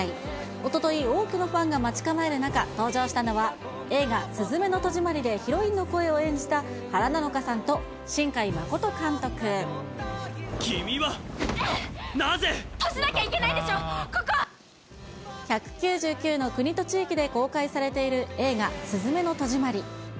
おととい、多くのファンが待ち構える中、登場したのは、映画、すずめの戸締まりでヒロインの声を演じた、君はなぜ。閉じなきゃいけないでしょ、１９９の国と地域で公開されている映画、すずめの戸締まり。